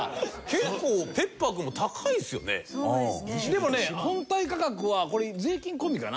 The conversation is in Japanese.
でもね本体価格はこれ税金込みかな？